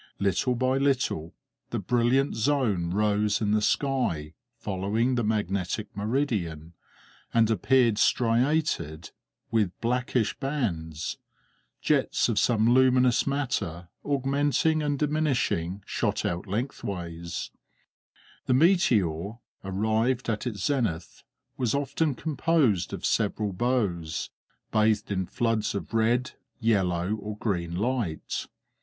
Little by little the brilliant zone rose in the sky, following the magnetic meridian, and appeared striated with blackish bands; jets of some luminous matter, augmenting and diminishing, shot out lengthways; the meteor, arrived at its zenith, was often composed of several bows, bathed in floods of red, yellow, or green light.